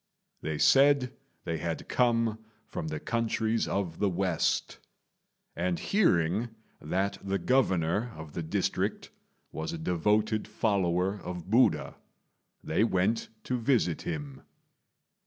They said they had come from the countries of the west; and hearing that the Governor of the district was a devoted follower of Buddha, they went to visit him.